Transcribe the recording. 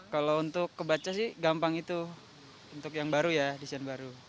kalau untuk kebaca sih gampang itu untuk yang baru ya desain baru